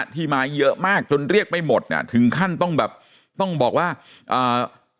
ที่มาเยอะมากจนเรียกไม่หมดอ่ะถึงขั้นต้องแบบต้องบอกว่าอ่า